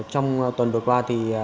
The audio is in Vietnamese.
trong tuần vừa qua